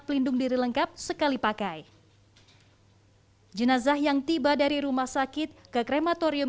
pelindung diri lengkap sekali pakai jenazah yang tiba dari rumah sakit ke krematorium